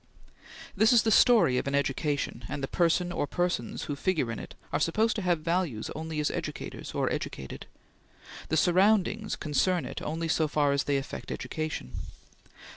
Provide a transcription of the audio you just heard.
This is the story of an education, and the person or persons who figure in it are supposed to have values only as educators or educated. The surroundings concern it only so far as they affect education.